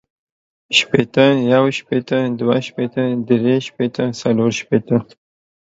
شپیته، یو شپیته، دوه شپیته، درې شپیته، څلور شپیته